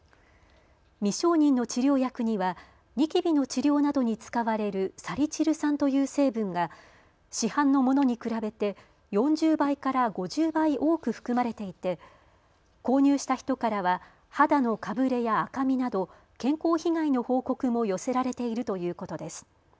未承認の治療薬にはニキビの治療などに使われるサリチル酸という成分が市販のものに比べて４０倍から５０倍多く含まれていて購入した人からは肌のかぶれや赤みなど健康被害の報告も寄せられているということです。